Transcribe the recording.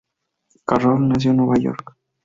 Carroll nació en Nueva York.